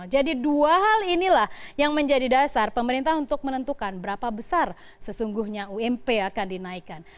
jadi dua hal inilah yang menjadi dasar pemerintah untuk menentukan berapa besar ump akan dinaikkan